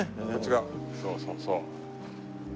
そうそうそう。